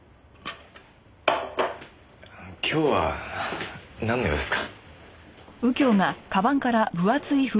今日はなんの用ですか？